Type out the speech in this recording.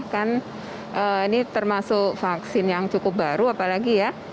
kan ini termasuk vaksin yang cukup baru apalagi ya